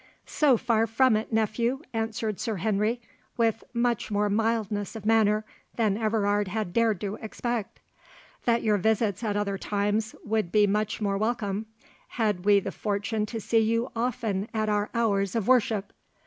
"So far from it, nephew," answered Sir Henry, with much more mildness of manner than Everard had dared to expect, "that your visits at other times would be much more welcome, had we the fortune to see you often at our hours of worship."